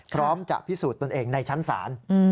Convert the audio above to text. พร้อมจะพิสูจน์ตนเองในชั้นศาล